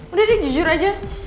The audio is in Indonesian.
udah deh jujur aja